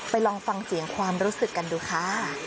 ลองฟังเสียงความรู้สึกกันดูค่ะ